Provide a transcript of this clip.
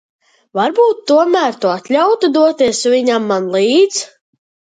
Varbūt tomēr tu atļautu doties viņam man līdz?